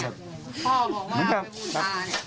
พ่อบอกว่ามันพลาสติก